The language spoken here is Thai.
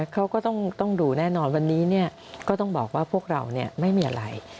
เขาก็ต้องดูแน่นอนวันนี้ก็ต้องบอกว่าพวกเราไม่มีอะไร